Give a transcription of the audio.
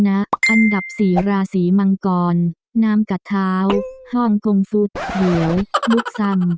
อย่าเอาอันดับ๔รสีมังกอลน้ำกาทาวฮ่องกงฟุตเหรี๋ยวลูกซัม